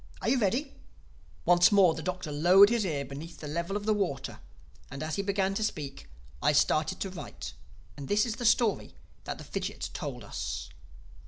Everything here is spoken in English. Are you ready?" Once more the Doctor lowered his ear beneath the level of the water; and as he began to speak, I started to write. And this is the story that the fidgit told us.